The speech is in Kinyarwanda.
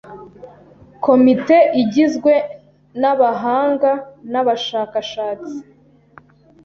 Komite igizwe n'abahanga n'abashakashatsi.